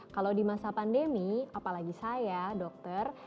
kalau di masa pandemi apalagi saya dokter